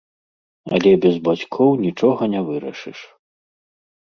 Але без бацькоў нічога не вырашыш.